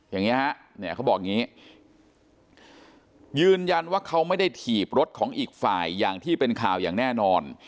อย่างนี้ฮะเนี่ยเขาบอกอย่างนี้ยืนยันว่าเขาไม่ได้ถีบรถของอีกฝ่ายอย่างที่เป็นข่าวอย่างแน่นอน